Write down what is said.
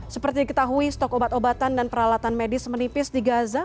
seperti diketahui stok obat obatan dan peralatan medis menipis di gaza